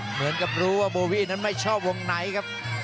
เหมือนกับรู้ว่าโบวี่นั้นไม่ชอบวงไหนครับ